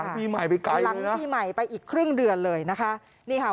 ปีใหม่ไปไกลหลังปีใหม่ไปอีกครึ่งเดือนเลยนะคะนี่ค่ะ